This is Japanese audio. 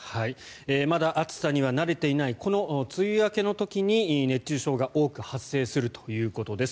まだ暑さには慣れていないこの梅雨明けの時に熱中症が多く発生するということです。